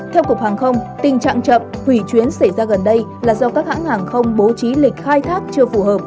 theo cục hàng không tình trạng chậm hủy chuyến xảy ra gần đây là do các hãng hàng không bố trí lịch khai thác chưa phù hợp